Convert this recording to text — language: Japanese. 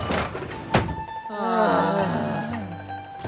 ああ。